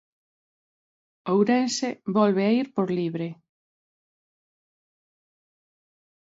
Ourense volve a ir por libre.